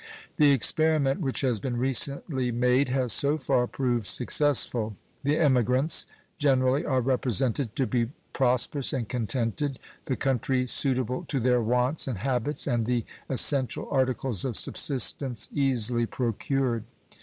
The experiment which has been recently made has so far proved successful. The emigrants generally are represented to be prosperous and contented, the country suitable to their wants and habits, and the essential articles of subsistence easily procured.